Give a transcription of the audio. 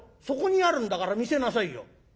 「そこにあるんだから見せなさいよ」。